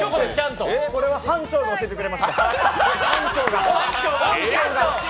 これは班長が教えてくれました。